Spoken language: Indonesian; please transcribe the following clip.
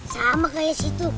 sama kayak situ